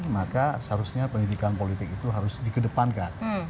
maka seharusnya pendidikan politik itu harus dikedepankan